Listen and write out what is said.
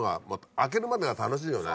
開けるまでが楽しいよね。